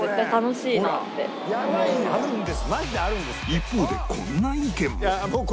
一方でこんな意見も